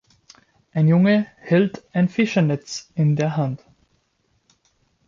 Ein Junge hält ein Fischernetz in der Hand.